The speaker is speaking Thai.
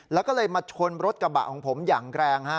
แล้วก็เลยมาชนรถกระบะของผมอย่างแรงฮะ